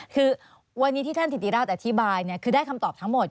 คือวันนี้ที่ท่านถิติราชอธิบายคือได้คำตอบทั้งหมด